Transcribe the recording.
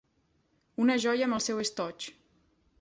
Una joia amb el seu estoig.